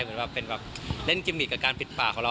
เป็นแบบเล่นกิมมิตกับการปิดปากของเรา